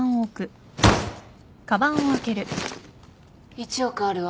１億あるわ。